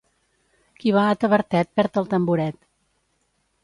Qui va a Tavertet perd el tamboret.